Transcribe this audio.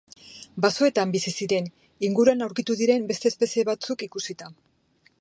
Basoetan bizi ziren, inguruan aurkitu diren beste espezie batzuk ikusita.